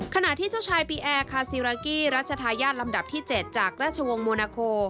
ขณะที่เจ้าชายปีแอร์คาซีรากี้รัชทายาทลำดับที่๗จากราชวงศ์โมนาโค